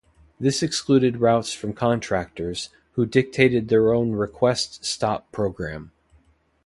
This excluded routes from contractors, who dictated their own Request Stop program.